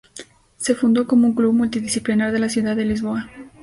Se fundó como un club multidisciplinar de la ciudad de Lisboa.